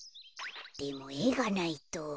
でもえがないと。